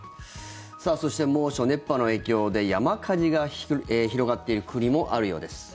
そして猛暑、熱波の影響で山火事が広がっている国もあるようです。